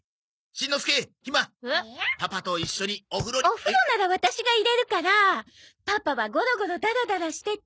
お風呂ならワタシが入れるからパパはゴロゴロダラダラしてて。